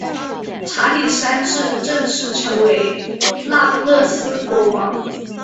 查理三世正式成为那不勒斯国王。